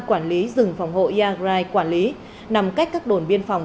xin chào các bạn